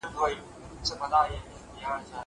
زه پرون د کتابتون کتابونه لوستل کوم.